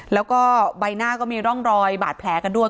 แล้วก็ใบหน้าก็มีร่องรอยบาดแผลกันด้วย